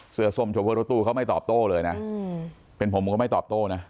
เสือสมชวบพื้นรถตู้เขาไม่ตอบโต้เลยนะเป็นผมก็ไม่ตอบโต้นะ